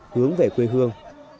hướng về quê hương